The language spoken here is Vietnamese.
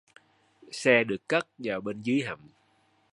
Xe được cất vào bên dưới hầm